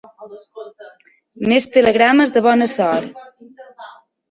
Més telegrames de bona sort.